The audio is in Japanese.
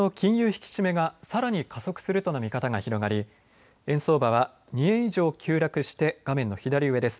引き締めがさらに加速するとの見方が広がり円相場は２円以上急落して画面の左上です。